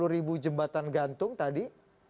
sepuluh ribu jembatan gantung tadi